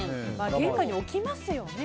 玄関に置きますよね。